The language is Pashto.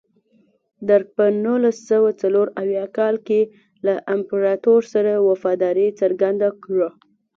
درګ په نولس سوه څلور اویا کال کې له امپراتور سره وفاداري څرګنده کړه.